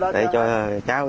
để cho cháu